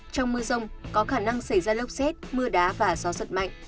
trong mưa rông có khả năng xảy ra lốc rét mưa đá và gió sật mạnh